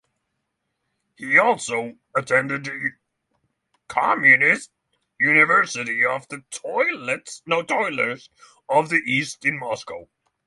He also attended the Communist University of the Toilers of the East in Moscow.